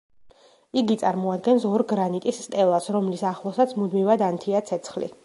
იგი წარმოადგენს ორ გრანიტის სტელას, რომლის ახლოსაც მუდმივად ანთია ცეცხლი.